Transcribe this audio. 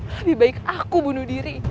lebih baik aku bunuh diri